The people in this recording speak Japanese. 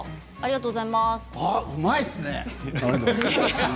うまいですね。